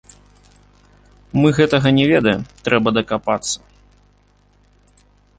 Мы гэтага не ведаем, трэба дакапацца.